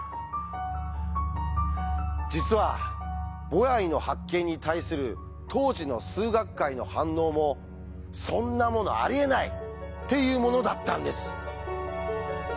実はボヤイの発見に対する当時の数学界の反応も「そんなものありえない！」っていうものだったんです。